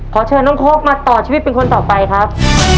ขอเชิญน้องโค้กมาต่อชีวิตเป็นคนต่อไปครับ